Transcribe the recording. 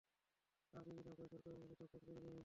আর যদি না পায়, সরকারের মুখে থাপ্পড় পরে যাবে।